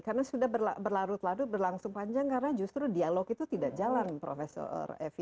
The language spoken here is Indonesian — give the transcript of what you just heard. karena sudah berlarut larut berlangsung panjang karena justru dialog itu tidak jalan profesor evi